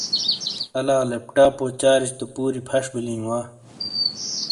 الا لیپ ٹاپو چارج تو پُوری پھش بیلیں وا۔